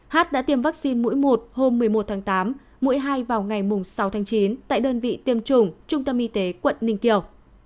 hát đã tiêm vaccine mũi một hôm một mươi một tháng tám mũi hai vào ngày sáu tháng chín tại đơn vị tiêm chủng trung tâm y tế quận ninh kiều